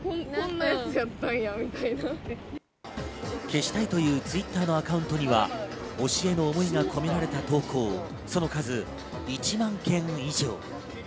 消したいというＴｗｉｔｔｅｒのアカウントには推しへの思いが込められた投稿、その数１万件以上。